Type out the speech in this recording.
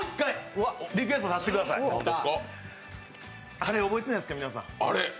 あれ覚えてないですか、皆さん。